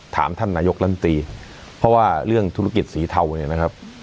ถามท่านนายกลำตีเพราะว่าเรื่องธุรกิจสีเทาเนี่ยนะครับ